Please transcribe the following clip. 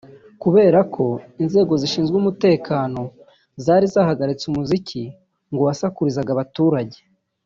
kubera ko inzego zishinzwe umutekano zari zahagaritse umuziki ngo wasakurizaga abaturage